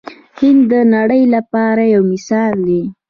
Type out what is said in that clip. هند د نړۍ لپاره یو مثال دی.